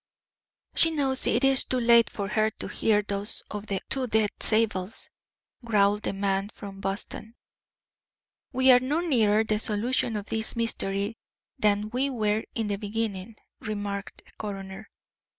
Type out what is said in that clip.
"She knows it is too late for her to hear those of the two dead Zabels," growled the man from Boston. "We are no nearer the solution of this mystery than we were in the beginning," remarked the coroner.